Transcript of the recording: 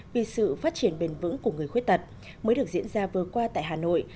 vì sự phát triển bền vững của người khuyết tật mới được diễn ra vừa qua tại hà nội